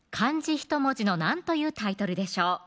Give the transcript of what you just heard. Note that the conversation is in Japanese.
１文字の何というタイトルでしょう